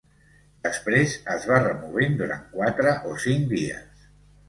Després es va removent durant quatre o cinc dies.